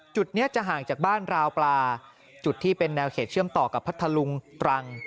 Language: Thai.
จุดนี้จะห่างจากบ้านราวปลาจุดที่เป็นแนวเขตเชื่อมต่อกับพัทธลุงตรัง